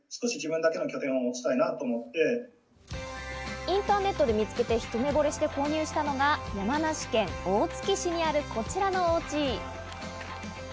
インターネットで見つけて一目ぼれして購入したのが山梨県大月市にある、こちらのおうち。